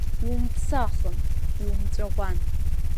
Иумыԥсахын, иумҵәаӷәан.